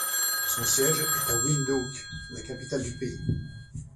Son siège est à Windhoek, la capitale du pays.